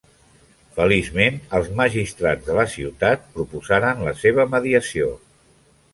Feliçment els magistrats de la ciutat proposaren la seva mediació.